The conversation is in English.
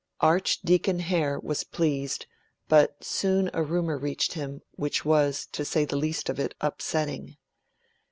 Archdeacon Hare was pleased, but soon a rumour reached him, which was, to say the least of it, upsetting.